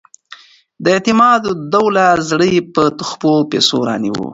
د اعتمادالدولة زړه یې په تحفو او پیسو رانیوی.